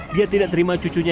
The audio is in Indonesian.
dia tidak terima cucunya